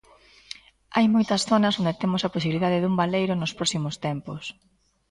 Hai moitas zonas onde temos a posibilidade dun baleiro nos próximos tempos.